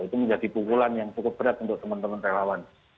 itu menjadi pukulan yang cukup berat untuk teman teman relawan